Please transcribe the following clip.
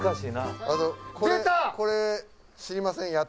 これ知りません？